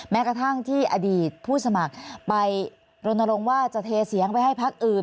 แม้กระทั่งที่อดีตผู้สมัครไปรณรงค์ว่าจะเทเสียงไปให้พักอื่น